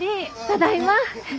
ただいま！